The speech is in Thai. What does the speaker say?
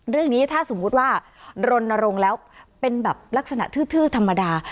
เรื่องนี้ถ้าสมมุติว่ารณรงค์แล้วเป็นแบบลักษณะทื้อธรรมดา